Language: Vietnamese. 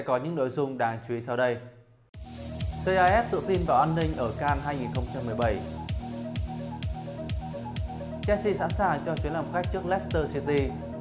chessy sẵn sàng cho chuyến làm khách trước leicester city